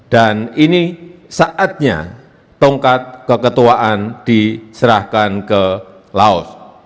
dan ini saatnya tongkat keketuaan diserahkan ke laut